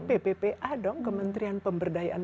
pppa dong kementerian pemberdayaan